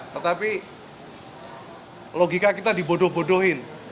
tetapi logika kita dibodoh bodohin